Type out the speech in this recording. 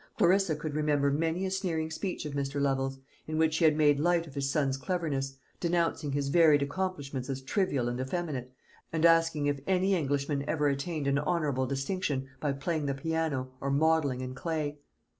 Clarissa could remember many a sneering speech of Mr. Lovel's, in which he had made light of his son's cleverness, denouncing his varied accomplishments as trivial and effeminate, and asking if any Englishman ever attained an honourable distinction by playing the piano, or modelling in clay.